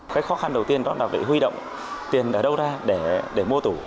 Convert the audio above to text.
cái khó khăn đầu tiên đó là phải huy động tiền ở đâu ra để mua tủ